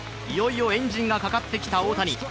いよいよエンジンがかかってきた大谷。